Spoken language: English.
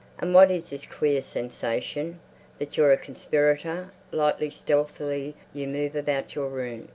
And what is this queer sensation that you're a conspirator? Lightly, stealthily you move about your room.